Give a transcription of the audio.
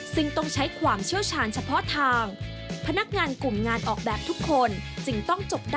ซึ่งต้องใช้ความเชี่ยวชาญเฉพาะทาง